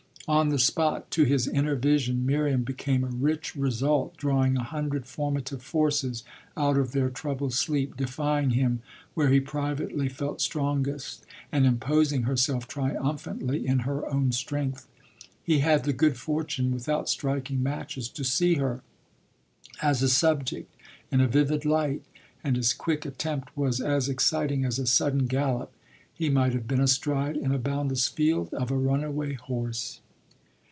On the spot, to his inner vision, Miriam became a rich result, drawing a hundred formative forces out of their troubled sleep, defying him where he privately felt strongest and imposing herself triumphantly in her own strength. He had the good fortune, without striking matches, to see her, as a subject, in a vivid light, and his quick attempt was as exciting as a sudden gallop he might have been astride, in a boundless field, of a runaway horse.